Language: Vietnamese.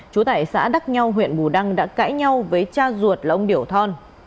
chú tại xã đắc nhau huyện bù đăng đã cãi nhau với cha ruột là ông điểu thon